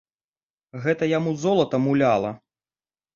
Гэта яму золата муляла.